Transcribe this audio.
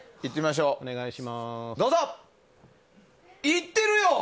いってるよ！